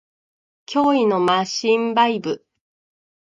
脅威のマシンバイブ